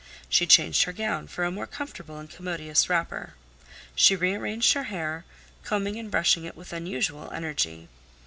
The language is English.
She changed her gown for a more comfortable and commodious wrapper. She rearranged her hair, combing and brushing it with unusual energy.